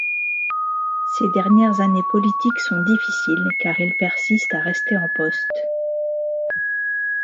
Ses dernières années politiques sont difficiles car il persiste à rester en poste.